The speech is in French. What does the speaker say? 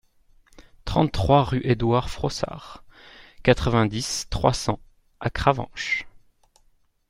trente-trois rue Édouard Frossard, quatre-vingt-dix, trois cents à Cravanche